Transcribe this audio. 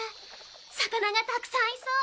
魚がたくさんいそう！